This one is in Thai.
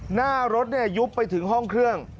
หน้ารถยุบไปถึงห้องเครื่อง